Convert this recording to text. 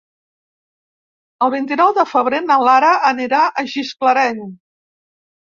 El vint-i-nou de febrer na Lara anirà a Gisclareny.